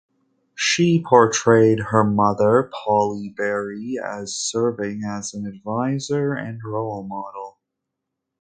She portrayed her mother Polly Berry as serving as an adviser and role model.